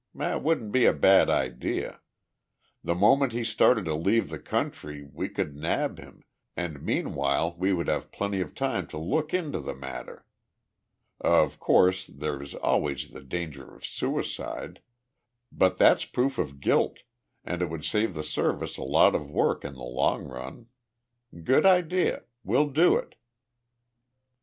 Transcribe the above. That wouldn't be a bad idea. The moment he started to leave the country we could nab him, and meanwhile we would have plenty of time to look into the matter. Of course, there's always the danger of suicide but that's proof of guilt, and it would save the Service a lot of work in the long run. Good idea! We'll do it."